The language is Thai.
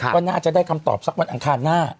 วันนั้นอาจจะได้คำตอบสักวันอังคารหน้า